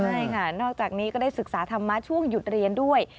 ใช่ค่ะนอกจากนี้ก็ได้ศึกษาธรรมะช่วงหยุดเรียนด้วย